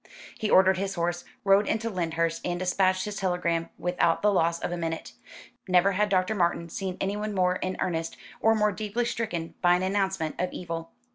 He ordered his horse, rode into Lyndhurst and dispatched his telegram without the loss of a minute. Never had Dr. Martin seen anyone more in earnest, or more deeply stricken by an announcement of evil.